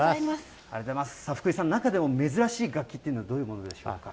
さあ、福井さん、中でも珍しい楽器というのは、どういうものでしょうか。